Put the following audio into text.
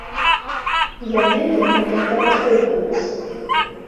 І яны яму падпарадкоўваюцца.